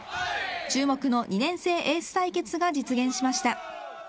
注目の２年生エース対決が実現しました。